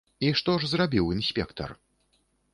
І што ж зрабіў інспектар?